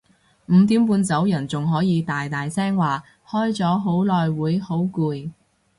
五點半走人仲可以大大聲話開咗好耐會好攰